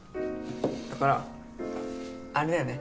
だからあれだよね？